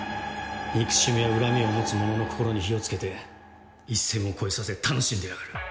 憎しみや恨みを持つ者の心に火を付けて一線を越えさせ楽しんでやがる。